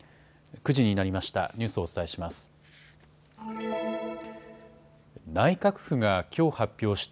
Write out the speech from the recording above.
９時になりました。